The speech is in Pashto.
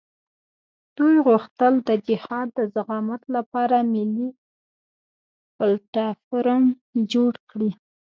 دوی غوښتل د جهاد د زعامت لپاره ملي پلټفارم جوړ کړي.